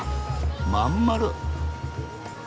真ん丸！